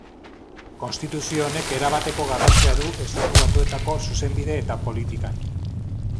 Konstituzio honek erabateko garrantzia du Estatu Batuetako zuzenbide eta politikan.